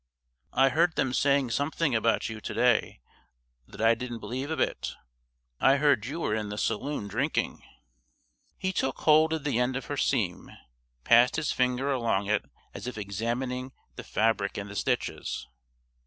"I heard them saying something about you to day that I didn't believe a bit. I heard you were in the saloon drinking." He took hold of the end of her seam, passed his finger along it as if examining the fabric and the stitches.